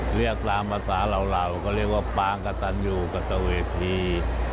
เรียกตามภาษาเหล่าก็เรียกว่าปางกระตันอยู่กับตะเวที